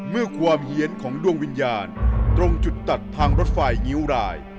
เมื่อความเหี้ยนของดวงวิญญาณตรงจุดตัดทางรถไฟงิ้วราย